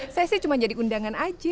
saya sih cuma jadi undangan aja